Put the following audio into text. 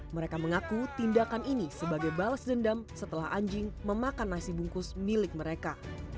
mereka mengaku tindakan ini sebagai balas dendam setelah anjing memakan nasi bungkus milik mereka